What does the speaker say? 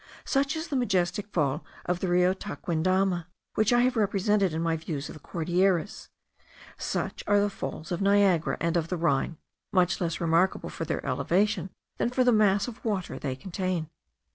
Such is the majestic fall of the Rio Tequendama, which I have represented in my Views of the Cordilleras; such are the falls of Niagara and of the Rhine, much less remarkable for their elevation, than for the mass of water they contain.